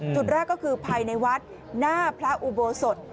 จุดแรกก็คือภายในวัดหน้าพระอุโบสถ